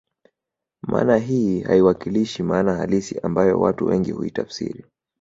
Maana hii haiwakilishi maana halisi ambayo watu wengi huitafsiri